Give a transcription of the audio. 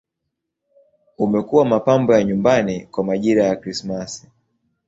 Umekuwa mapambo ya nyumbani kwa majira ya Krismasi.